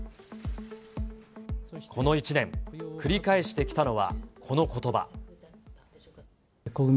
この１年、繰り返してきたのはこのことば。